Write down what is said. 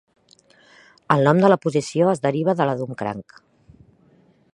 El nom de la posició es deriva de la d'un cranc.